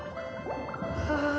ああ。